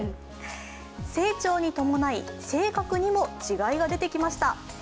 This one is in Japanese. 成長に伴い性格にも違いが出てきました。